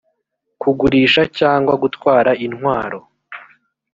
kugurisha cyangwa gutwara intwaro